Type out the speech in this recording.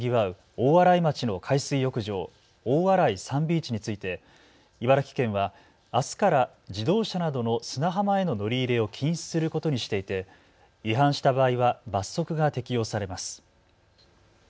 大洗町の海水浴場、大洗サンビーチについて茨城県はあすから自動車などの砂浜への乗り入れを禁止することにしていて、違反した場合は罰則が適用されます。